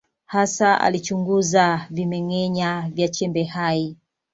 Hasa alichunguza vimeng’enya vya chembe hai.